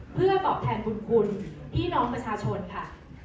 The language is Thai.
เพื่อตอบแทนบุญคุณพี่น้องประชาชนค่ะ